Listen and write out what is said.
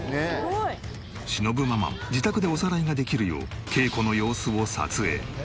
しのぶママは自宅でおさらいができるよう稽古の様子を撮影。